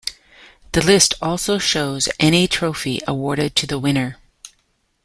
The list also shows any trophy awarded to the winner.